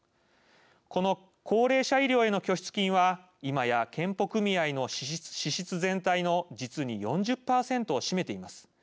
この高齢者医療への拠出金は今や、健保組合の支出全体の実に４０％を占めています。